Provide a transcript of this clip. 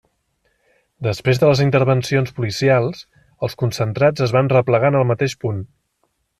Després de les intervencions policials, els concentrats es van replegar en el mateix punt.